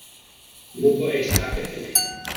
Grupo Extra ft.